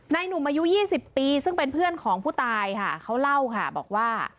หนุ่มอายุ๒๐ปีซึ่งเป็นเพื่อนของผู้ตายค่ะเขาเล่าค่ะบอกว่า